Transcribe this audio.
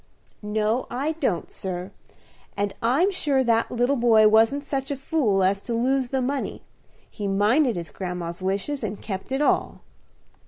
"No, I don't, sir; and I'm sure that little boy wasn't such a fool as to lose the money. He minded his grandma's wishes, and kept it all."